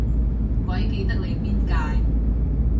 鬼記得你邊屆